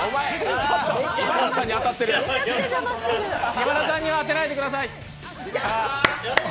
今田さんには当てないでください。